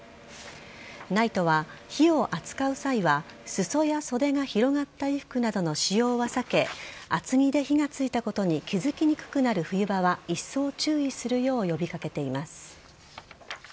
ＮＩＴＥは、火を扱う際は裾や袖が広がった衣服などの使用は避け厚着で火がついたことに気づきにくくなる冬場はいっそう注意するよう呼び掛けています。